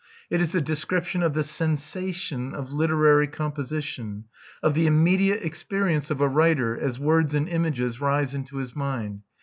It is a description of the sensation of literary composition, of the immediate experience of a writer as words and images rise into his mind.